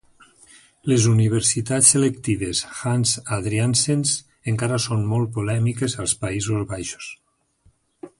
Les universitats selectives Hans Adriaansens encara són molt polèmiques als Països Baixos.